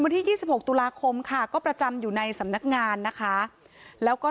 ที่๒๖ตุลาคมค่ะก็ประจำอยู่ในสำนักงานนะคะแล้วก็